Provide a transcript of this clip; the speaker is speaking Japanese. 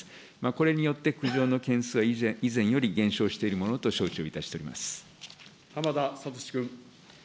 これによって苦情の件数は以前より減少しているものと承知をいた浜田聡君。